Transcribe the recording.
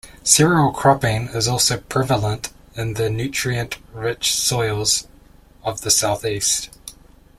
Cereal cropping is also prevalent in the nutrient-rich soils of the South East.